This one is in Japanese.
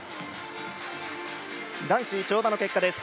男子跳馬の結果です。